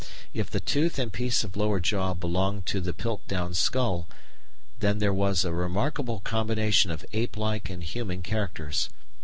If the tooth and piece of lower jaw belong to the Piltdown skull, then there was a remarkable combination of ape like and human characters.